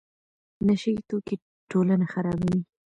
نشه یي توکي ټولنه خرابوي.